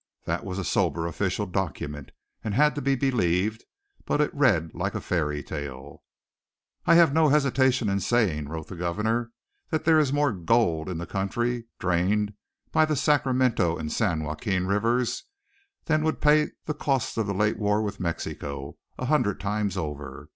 That was a sober official document, and had to be believed, but it read like a fairy tale. "I have no hesitation in saying," wrote the governor, "that there is more gold in the country drained by the Sacramento and San Joaquin rivers than would pay the costs of the late war with Mexico a hundred times over."